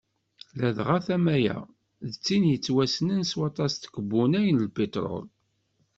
Ladɣa tama-a d tin i yettwassnen s waṭas n tkebbunay n lpitrul.